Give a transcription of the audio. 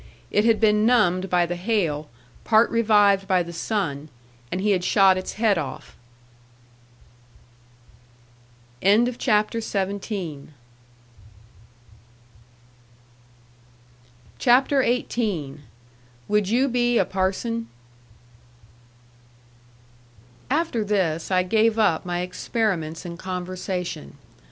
It had been numbed by the hail, part revived by the sun, and he had shot its head off. XVIII. "WOULD YOU BE A PARSON?" After this I gave up my experiments in conversation.